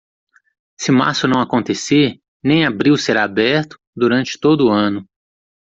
Se março não acontecer, nem abril será aberto, durante todo o ano.